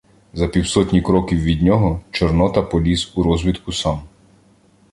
За півсотні кроків від нього Чорнота поліз у розвідку сам.